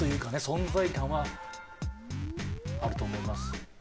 存在感はあると思います。